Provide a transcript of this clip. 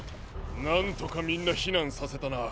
なんとかみんなひなんさせたな。